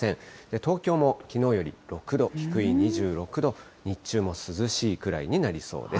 東京もきのうより６度低い２６度、日中も涼しいくらいになりそうです。